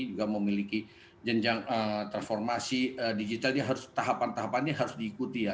juga memiliki jenjang transformasi digital tahapan tahapannya harus diikuti ya